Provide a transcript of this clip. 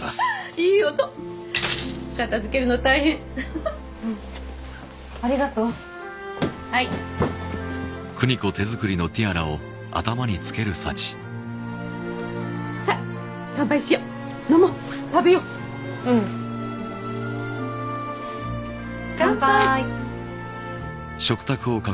いい音片づけるの大変ふふふっありがとうはいはいうんさあ乾杯しよう飲もう食べよううん乾杯